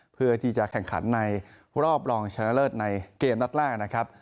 เพื่อที่จะแข่งขันในรอบรองชนะเลิศในเกมนัดแรกนะครับ